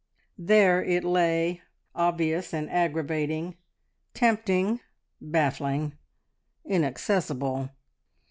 There it lay obvious and aggravating, tempting, baffling, inaccessible.